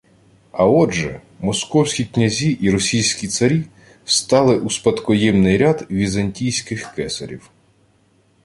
А отже, московські князі і російські царі стали у спадкоємний ряд візантійських кесарів